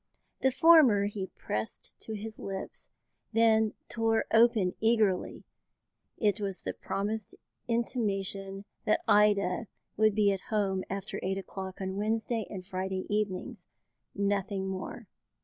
The former he pressed to his lips, then tore open eagerly; it was the promised intimation that Ida would be at home after eight o'clock on Wednesday and Friday evenings, nothing more.